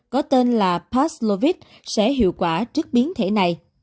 có tên là passlovit sẽ hiệu quả trước biến thể này